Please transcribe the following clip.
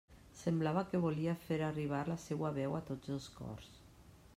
Semblava que volia fer arribar la seua veu a tots els cors.